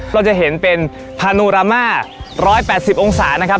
เราจะเห็นเป็นพานูรามา๑๘๐องศานะครับ